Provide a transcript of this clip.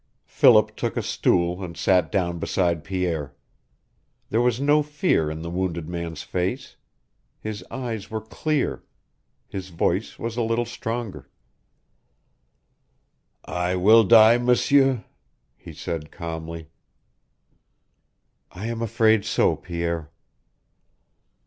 Philip took a stool and sat down beside Pierre. There was no fear in the wounded man's face. His eyes were clear. His voice was a little stronger. "I will die, M'sieur," he said, calmly. "I am afraid so, Pierre."